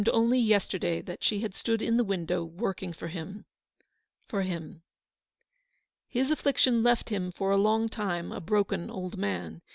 only yesterday that she had stood in the window working for him — for him. His affliction left him for a long time a broken old man.